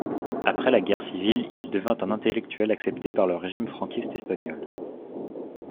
Après la guerre civile il devint un intellectuel accepté par le régime franquiste espagnol.